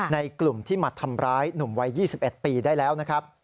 ในกลุ่มที่มาทำร้ายหนุ่มวัย๒๑ปีได้แล้วนะครับ